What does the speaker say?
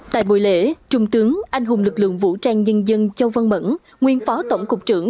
tại buổi lễ trung tướng anh hùng lực lượng vũ trang nhân dân châu văn mẫn nguyên phó tổng cục trưởng